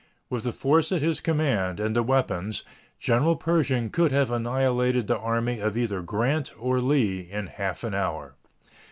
With the force at his command, and the weapons, General Pershing could have annihilated the army of either Grant or Lee in half an hour.